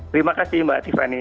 terima kasih mbak tiffany